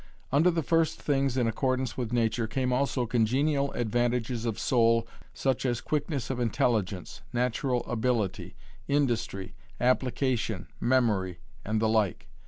Under the first things in accordance with nature came also congenial advantages of soul such as quickness of intelligence, natural ability, industry, application, memory, and the like.